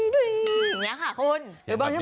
ดุ้ยอย่างนี้ค่ะคุณ